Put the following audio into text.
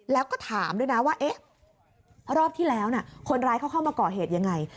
แล้วก็ถามด้วยนะว่าเอ๊ะรอบที่แล้วคนร้ายเขาเข้ามาก่อเหตุยังไง